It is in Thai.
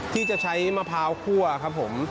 ที่จะใช้มะพร้าวคั่วครับผม